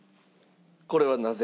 これはなぜ？